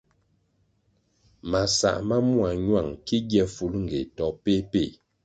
Masãh ma mua ñuáng ki gie bifulngéh to péh péh.